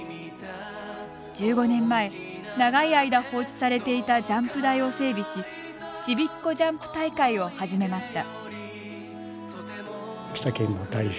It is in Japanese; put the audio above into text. １５年前、長い間放置されていたジャンプ台を整備しちびっ子ジャンプ大会を始めました。